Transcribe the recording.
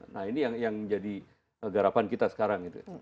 nah ini yang menjadi garapan kita sekarang